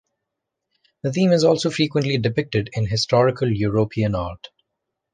The theme is also frequently depicted in historical European art.